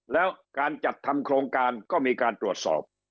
แล้วการจัดทำโครงการก็มีการตรวจสอบ